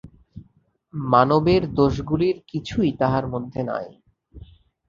মানবের দোষগুলির কিছুই তাঁহার মধ্যে নাই।